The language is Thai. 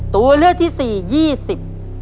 ตัวเลขที่สี่๒๐